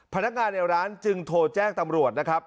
พนักงานในร้านจึงโทรแจ้งตำรวจนะครับ